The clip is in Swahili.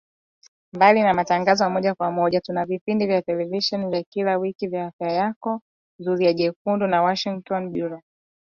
Mbali na matangazo ya moja kwa moja tuna vipindi vya televisheni vya kila wiki vya Afya Yako, Zulia Jekundu na Washingotn Bureau